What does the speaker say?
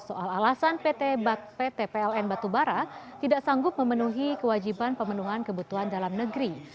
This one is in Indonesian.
soal alasan pt pln batubara tidak sanggup memenuhi kewajiban pemenuhan kebutuhan dalam negeri